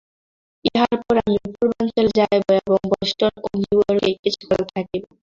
ইহার পর আমি পূর্বাঞ্চলে যাইব এবং বষ্টন ও নিউ ইয়র্কে কিছুকাল থাকিব।